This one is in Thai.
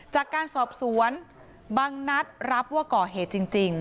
จากการสอบสวนบางนัดรับว่าก่อเหตุจริง